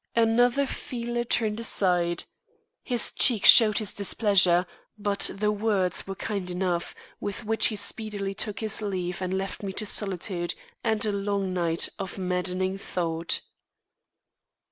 Another feeler turned aside. His cheek showed his displeasure, but the words were kind enough with which he speedily took his leave and left me to solitude and a long night of maddening thought.